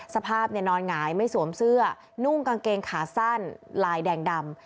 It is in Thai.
สภาพนอนหงายไม่สวมเสื้อนุ่งกางเกงขาสั้นลายแดงดำ